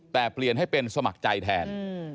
แต่เปลี่ยนให้เป็นสมัครใจแทน